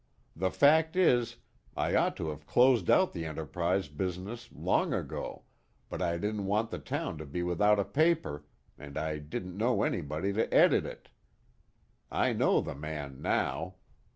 The fact is, I ought to have closed out the Enterprise business long ago, but I didn't want the town to be without a paper, and I didn't know anybody to edit it. I know the man now.